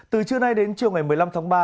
từ trưa nay đến chiều ngày một mươi năm tháng ba